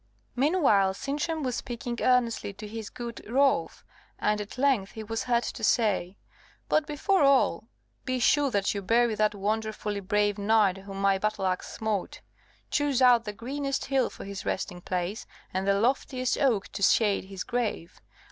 Meanwhile Sintram was speaking earnestly to his good Rolf; and at length he was heard to say, "But before all, be sure that you bury that wonderfully brave knight whom my battle axe smote. Choose out the greenest hill for his resting place, and the loftiest oak to shade his grave.